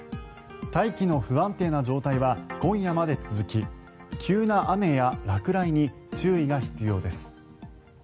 大気の不安定な状態は今夜まで続き急な雨や落雷に注意が必要です。